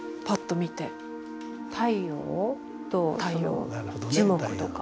太陽？とその樹木とか。